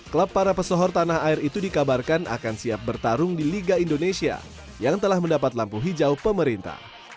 klub para pesohor tanah air itu dikabarkan akan siap bertarung di liga indonesia yang telah mendapat lampu hijau pemerintah